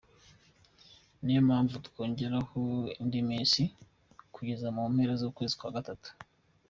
Niyo mpamvu twongeyeho indi minsi kugeza mu mpera z’ukwezi kwa gatatu.